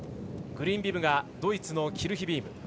グリーンビブがドイツのキルヒビーム。